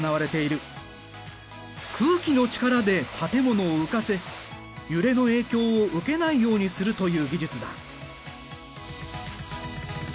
空気の力で建物を浮かせ揺れの影響を受けないようにするという技術だ。